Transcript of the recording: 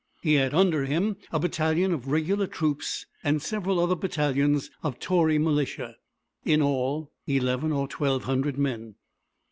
He had under him a battalion of regular troops and several other battalions of Tory militia, in all eleven or twelve hundred men.